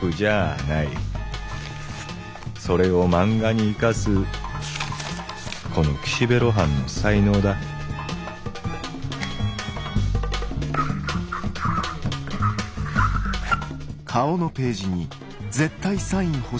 それを漫画に生かすこの岸辺露伴の「才能」だプッ。